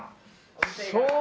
そう。